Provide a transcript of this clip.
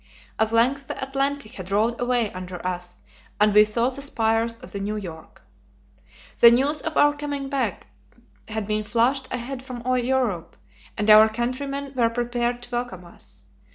At length the Atlantic had rolled away under us, and we saw the spires of the new New York. The news of our coming had been flashed ahead from Europe, and our countrymen were prepared to welcome us.